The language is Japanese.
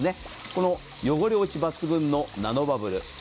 この汚れ落ち抜群のナノバブル。